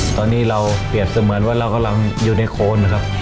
ตอนนี้เราเปรียบเสมือนว่าเรากำลังอยู่ในโคนนะครับ